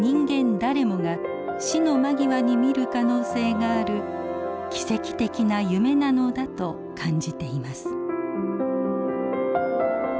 誰もが死の間際に見る可能性がある奇跡的な夢なのだと感じています。